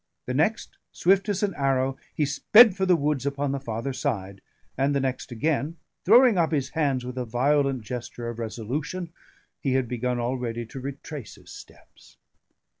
The next, swift as an arrow, he sped for the woods upon the farther side; and the next again, throwing up his hands with a violent gesture of resolution, he had begun already to retrace his steps.